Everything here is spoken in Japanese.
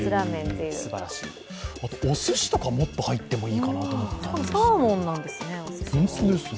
おすしとか、もっと入ってもいいかなと思ったんですけど？